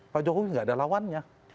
pak jokowi tidak ada lawannya